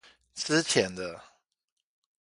資淺的